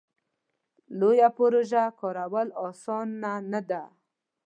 لویه پروژه کارول اسانه نه ده.